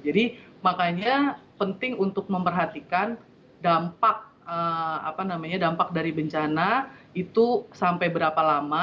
jadi makanya penting untuk memperhatikan dampak dari bencana itu sampai berapa lama